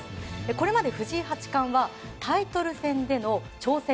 これまで、藤井八冠はタイトル戦での挑戦